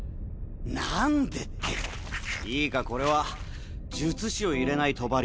なんでっていいかこれは術師を入れない帳。